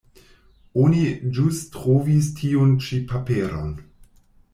Oni ĵus trovis tiun ĉi paperon.